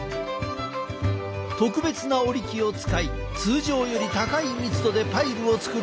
特別な織り機を使い通常より高い密度でパイルを作ることができる。